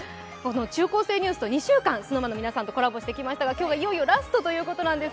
「中高生ニュース」と２週間ＳｎｏｗＭａｎの皆さんとコラボしてきましたが、今日は、いよいよラストということなんです。